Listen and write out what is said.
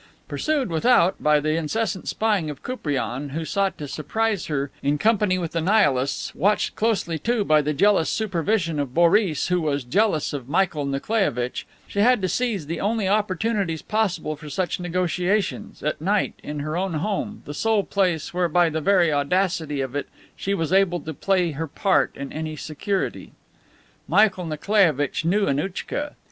Pursued without by the incessant spying of Koupriane, who sought to surprise her in company with the Nihilists, watched closely, too, by the jealous supervision of Boris, who was jealous of Michael Nikolaievitch, she had to seize the only opportunities possible for such negotiations, at night, in her own home, the sole place where, by the very audacity of it, she was able to play her part in any security. "Michael Nikolaievitch knew Annouchka.